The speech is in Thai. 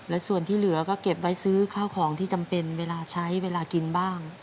และส่วนที่เหลือก็เก็บไว้ซื้อข้าวของที่จำเป็นเวลาใช้เวลากินบ้าง